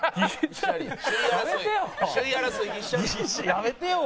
やめてよ。